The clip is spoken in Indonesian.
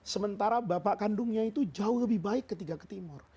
sementara bapak kandungnya itu jauh lebih baik ketika ke timur